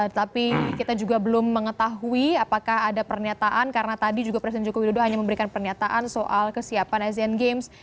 tapi kita juga belum mengetahui apakah ada pernyataan karena tadi juga presiden joko widodo hanya memberikan pernyataan soal kesiapan asian games